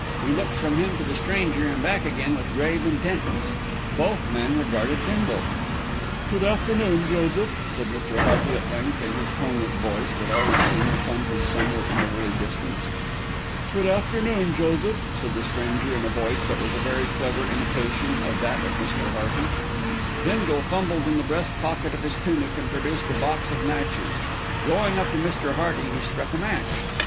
He looked from him to the stranger and back again with grave intentness. Both men regarded Bindle. "Good afternoon, Joseph," said Mr. Hearty at length in his toneless voice, that always seemed to come from somewhere in the woolly distance. "Good afternoon, Joseph," said the stranger in a voice that was a very clever imitation of that of Mr. Hearty. Bindle fumbled in the breast pocket of his tunic and produced a box of matches. Going up to Mr. Hearty he struck a match. Mr.